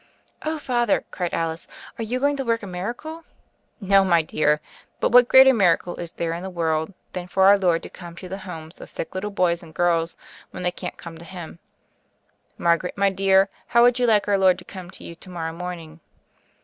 "Oh, Father," cried Alice, "are you going to work a miracle?" "No, my dear. But what greater miracle is there in the world than for Our Lord to come to the homes of sick little boys and girls, when they can't come to Him? Margaret, my dear, how would you like Our Lord to come to you to morrow morning?"